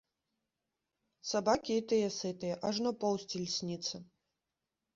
Сабакі і тыя сытыя, ажно поўсць ільсніцца.